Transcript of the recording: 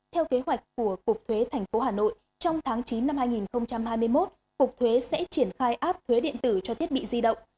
theo kế hoạch của cục thuế tp hà nội trong tháng chín năm hai nghìn hai mươi một cục thuế sẽ triển khai áp thuế điện tử cho thiết bị di động